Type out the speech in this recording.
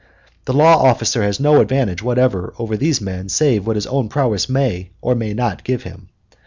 The law officer has no advantage whatever over these men save what his own prowess may or may not give him.